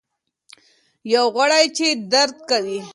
یو غړی چي درد کوي.